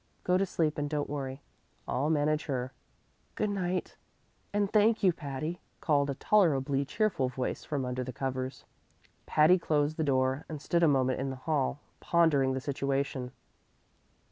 Go to sleep and don't worry; I'll manage her." "Good night; and thank you, Patty," called a tolerably cheerful voice from under the covers. Patty closed the door, and stood a moment in the hall, pondering the situation.